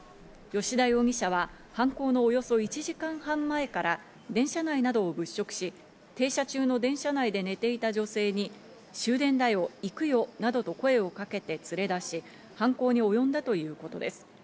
吉田容疑者は犯行のおよそ１時間半前から電車内などを物色し、停車中の電車内で寝ていた女性に、終電だよ、行くよなどと声をかけて連れ出し、犯行におよんだということです。